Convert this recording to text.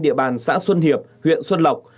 đối tượng đã đến xã xuân hiệp huyện xuân lộc